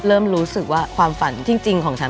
เริ่มรู้สึกว่าความฝันจริงของฉัน